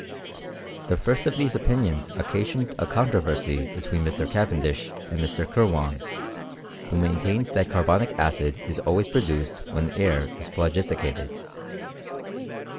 The first of these opinions occasioned a controversy, between Mr. Cavendish, and Mr. Kirwan, who main tained that carbonic acid is always produced when air is phlogisticated.